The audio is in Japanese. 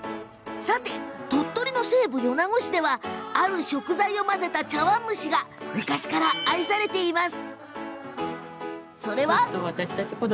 鳥取の西部、米子市ではある食材を混ぜた茶わん蒸しが昔から愛されています。